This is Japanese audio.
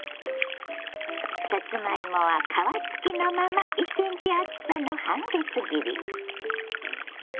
さつまいもは皮付きのまま１ｃｍ厚さの半月切り。